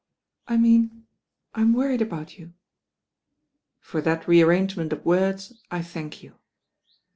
•'I mean I'm worried about you." ••For that re arrangement of words I thank you."